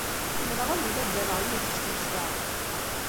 Ḥemmleɣ ad mbaddaleɣ yid-k tikta.